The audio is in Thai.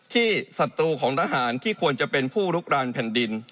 ศัตรูของทหารที่ควรจะเป็นผู้ลุกรานแผ่นดิน